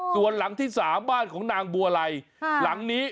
ส่วนหลังที่๓บ้านของนางบัวไลหลังนี้